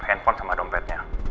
handphone sama dompetnya